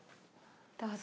どうぞ。